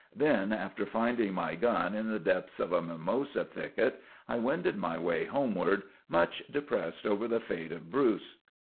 Then, after finding my gun in the depths of a mimosa thicket, I wended my way homeward, much depressed over the fate of Bruce."